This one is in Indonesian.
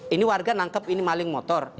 ini warga nangkep ini maling motor